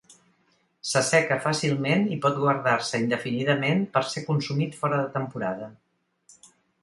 S'asseca fàcilment i pot guardar-se indefinidament per ser consumit fora de temporada.